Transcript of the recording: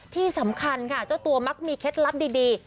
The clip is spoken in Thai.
ที่สำคัญค่ะเจ้าตัวมักมีเคล็ดลับดี